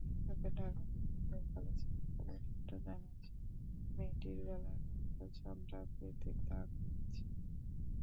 তবে Dhaka medical college হাসপাতাল সূত্র জানিয়েছে, মেয়েটির গলায় অর্ধ চন্দ্রাকৃতির দাগ রয়েছে।